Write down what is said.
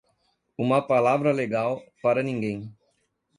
Uma palavra legal para ninguém.